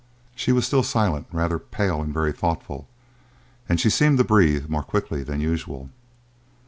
She was still silent, rather pale and very thoughtful, and she seemed to breathe more quickly than usual.